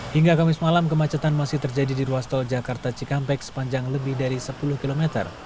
hingga kamis malam kemacetan masih terjadi di ruas tol jakarta cikampek sepanjang lebih dari sepuluh km